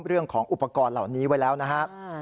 เรื่องของอุปกรณ์เหล่านี้ไว้แล้วนะครับ